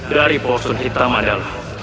dari posun hitam adalah